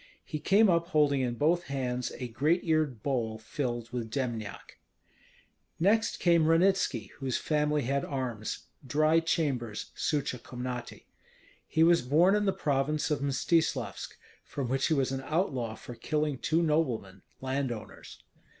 He came up holding in both hands a great eared bowl filled with dembniak. Next came Ranitski, whose family had arms, Dry Chambers (Suche Komnaty). He was born in the province of Mstislavsk, from which he was an outlaw for killing two noblemen, landowners.